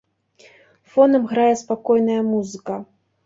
Фонам грае спакойная музыка.